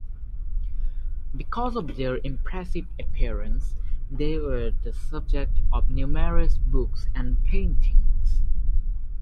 Because of their impressive appearance they were the subject of numerous books and paintings.